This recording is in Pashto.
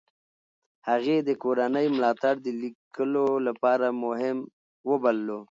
هغې د کورنۍ ملاتړ د لیکلو لپاره مهم وبللو.